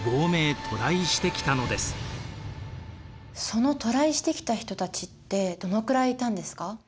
その渡来してきた人たちってどのくらいいたんですか？